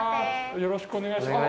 よろしくお願いします。